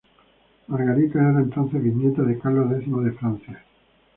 Margarita era entonces bisnieta de Carlos X de Francia.